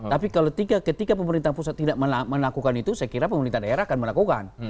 tapi ketika pemerintah pusat tidak melakukan itu saya kira pemerintah daerah akan melakukan